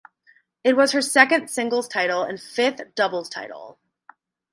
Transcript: It was her second singles title and fifth doubles title.